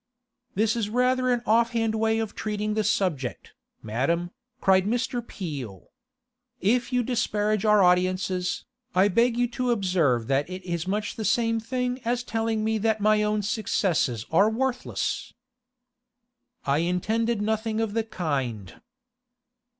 'This is rather an offhand way of treating the subject, madam,' cried Mr. Peel. 'If you disparage our audiences, I beg you to observe that it is much the same thing as telling me that my own successes are worthless!' 'I intended nothing of the kind.